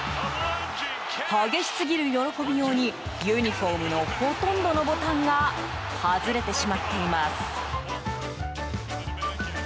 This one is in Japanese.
激しすぎる喜びようにユニホームのほとんどのボタンが外れてしまっています。